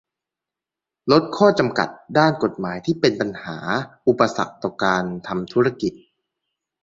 ลดข้อจำกัดด้านกฎหมายที่เป็นปัญหาอุปสรรคต่อการทำธุรกิจ